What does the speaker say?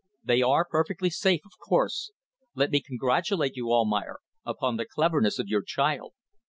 They are perfectly safe, of course. Let me congratulate you, Almayer, upon the cleverness of your child.